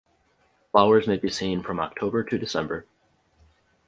Flowers may be seen from October to December.